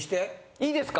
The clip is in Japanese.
いいですか？